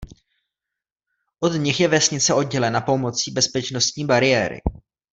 Od nich je vesnice oddělena pomocí bezpečnostní bariéry.